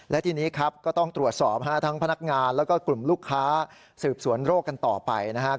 และทีนี้ครับก็ต้องตรวจสอบทั้งพนักงานแล้วก็กลุ่มลูกค้าสืบสวนโรคกันต่อไปนะครับ